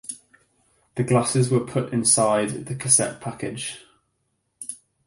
The glasses were put inside the cassette package.